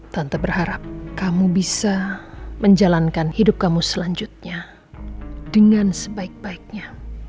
tante berharap kamu bisa menjalankan hidup kamu selanjutnya dengan sebaik baiknya